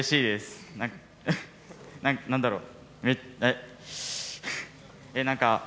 何だろう？